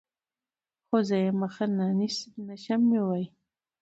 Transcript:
خو زه يې مخه نشم نيوى.